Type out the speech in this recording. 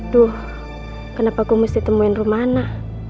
duh kenapa gue mesti temuin rum mana